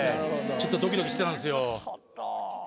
ちょっとドキドキしてたんすよ。